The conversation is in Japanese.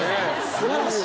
素晴らしい